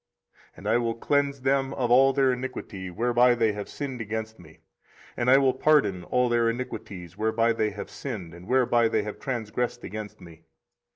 24:033:008 And I will cleanse them from all their iniquity, whereby they have sinned against me; and I will pardon all their iniquities, whereby they have sinned, and whereby they have transgressed against me.